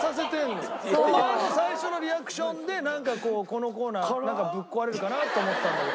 お前の最初のリアクションでなんかこうこのコーナーぶっ壊れるかなと思ったんだけど。